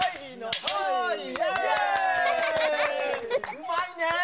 うまいねぇ！